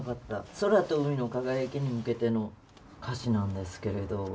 「空と海の輝きに向けて」の歌詞なんですけれど。